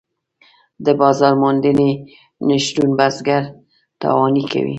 د بازار موندنې نشتون بزګر تاواني کوي.